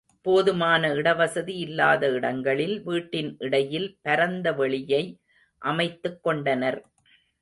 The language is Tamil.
போதுமான இடவசதி இல்லாத இடங்களில் வீட்டின் இடையில் பரந்த வெளியை அமைத்துக் கொண்டனர்.